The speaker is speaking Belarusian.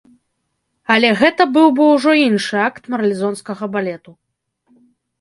Але гэта быў бы ўжо іншы акт марлезонскага балету.